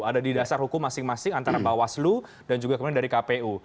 ada di dasar hukum masing masing antara bawaslu dan juga kemudian dari kpu